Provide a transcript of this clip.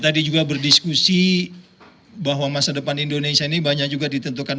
tadi juga berdiskusi bahwa masa depan indonesia ini banyak juga ditentukan